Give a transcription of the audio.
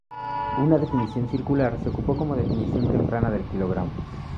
Una definición circular se ocupó como definición temprana del kilogramo.